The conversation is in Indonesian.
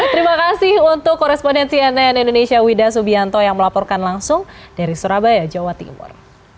terima kasih untuk korespondensi nn indonesia wida subianto yang melaporkan langsung dari surabaya jawa timur